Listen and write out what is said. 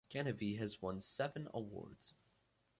Geneve has won seven awards.